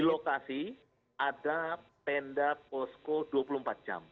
di lokasi ada tenda posko dua puluh empat jam